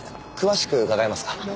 詳しく伺えますか？